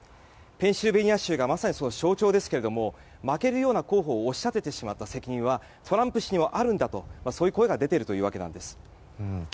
ペンシルベニア州がまさにその象徴ですが負けるような候補を推し立ててしまった責任はトランプ氏にもあるんだという声が出ているわけなんです。